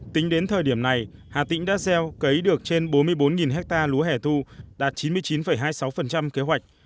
tính đến thời điểm này hà tĩnh đã gieo cấy được trên bốn mươi bốn hectare lúa hẻ thu đạt chín mươi chín hai mươi sáu kế hoạch